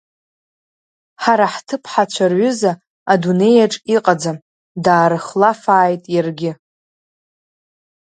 Ҳара ҳҭыԥҳацәа рҩыза адунеиаҿ иҟаӡам, даарыхлафааит иаргьы.